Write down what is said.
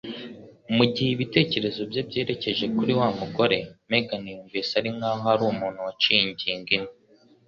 Mu gihe ibitekerezo bye byerekeje kuri wa mugore, Megan yumvise ari nk'aho hari umuntu waciye ingingo imwe.